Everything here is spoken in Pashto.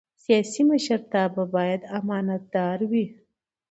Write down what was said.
سیاسي مشرتابه باید امانتدار وي